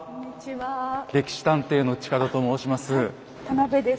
「歴史探偵」の近田と申します。